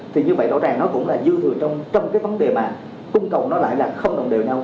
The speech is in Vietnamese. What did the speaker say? thì như vậy rõ ràng nó cũng là dư người trong cái vấn đề mà cung cầu nó lại là không đồng đều nhau